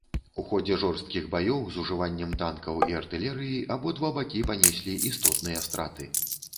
У ходзе жорсткіх баёў з ужываннем танкаў і артылерыі абодва бакі панеслі істотныя страты.